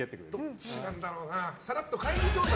どっちだろうな。